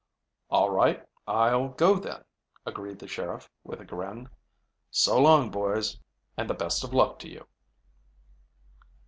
"All right, I'll go then," agreed the sheriff, with a grin. "So long, boys, and the best of luck to you."